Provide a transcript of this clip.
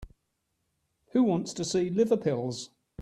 Who wants to see liver pills?